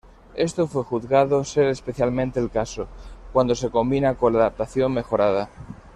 Esto fue juzgado ser especialmente el caso, cuando se combina con la adaptación mejorada.